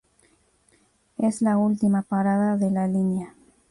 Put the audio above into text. Es la última parada de la línea.